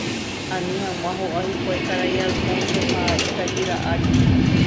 Ani hag̃ua ho'a hikuái karai Alfonso ha itajýra ári